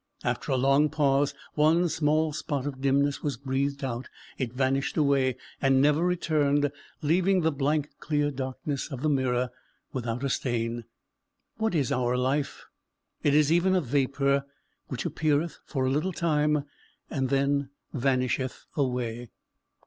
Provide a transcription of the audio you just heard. After a long pause, one small spot of dimness was breathed out; it vanished away, and never returned, leaving the blank clear darkness of the mirror without a stain. "What is our life? it is even a vapour, which appeareth for a little time, and then vanisheth away."